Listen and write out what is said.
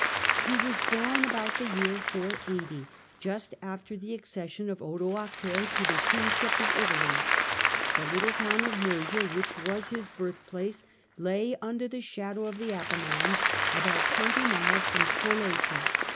He was born about the year 480, just after the Early life accession of Odoacer to the kingship of Italy. The of Benedict ittle town of Nursia, which was his birthplace, lay inder the shadow of the Apennines, about twenty miles rom Spoleto.